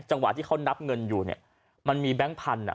จังหวะที่เขานับเงินอยู่มันมีแบงก์พันธุ์